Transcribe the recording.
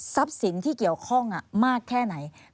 สินที่เกี่ยวข้องมากแค่ไหน